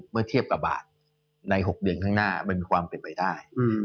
เมื่อเทียบกับบาทใน๖เดือนข้างหน้ามันมีความเป็นไปได้